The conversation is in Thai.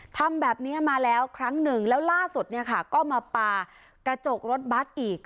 ทำแบบนี้มาแล้วครั้งหนึ่งแล้วล่าสุดเนี่ยค่ะก็มาปลากระจกรถบัตรอีก